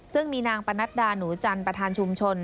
ซึ่งมีนางปนัดดาหนูจันทร์ประธานชุมชน